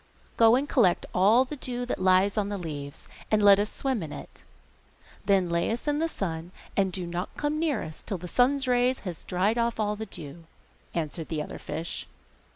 'Go and collect all the dew that lies on the leaves, and let us swim in it. Then lay us in the sun, and do not come near us till the sun's rays shall have dried off the dew,' answered the other fish.